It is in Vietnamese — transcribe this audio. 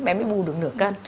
bé mới bù được nửa cân